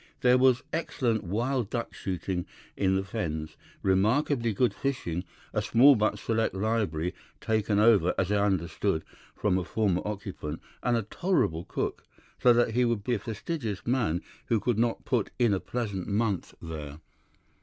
There was excellent wild duck shooting in the fens, remarkably good fishing, a small but select library, taken over, as I understood, from a former occupant, and a tolerable cook, so that he would be a fastidious man who could not put in a pleasant month there.